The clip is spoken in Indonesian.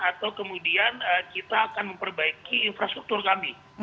atau kemudian kita akan memperbaiki infrastruktur kami